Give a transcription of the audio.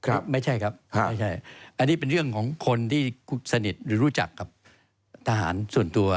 ไม่ใช่ครับไม่ใช่อันนี้เป็นเรื่องของคนที่สนิทหรือรู้จักกับทหารส่วนตัว